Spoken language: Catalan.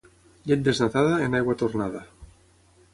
Llet desnatada, en aigua tornada.